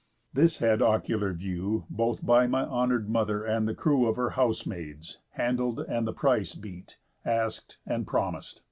This had ocular view Both by my honour'd mother and the crew Of her house handmaids, handled, and the price Beat, ask'd, and promis'd.